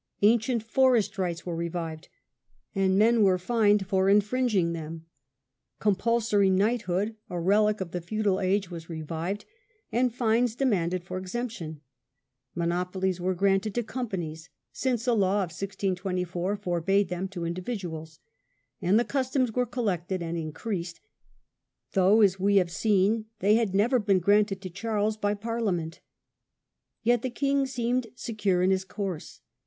Ancient forest rights were revived, and men were fined for infring ing them; compulsory knighthood, a relic of the feudal age, was revived, and fines demanded for exemption; monopolies were granted to companies, since a law of 1624 forbade them to individuals; and the customs were collected and increased, though, as we have seen, they had never been granted to Charles by Parliament. Yet, the king seemed secure in his course.